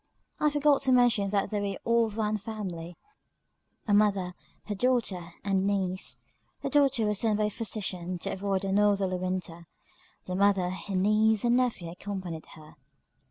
I forgot to mention that they were all of one family, a mother, her daughter, and niece. The daughter was sent by her physician, to avoid a northerly winter; the mother, her niece, and nephew, accompanied her.